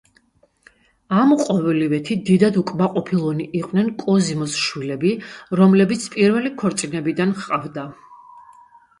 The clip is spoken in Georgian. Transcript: ამ ყოველივეთი დიდად უკმაყოფილონი იყვნენ კოზიმოს შვილები, რომლებიც პირველი ქორწინებიდან ჰყავდა.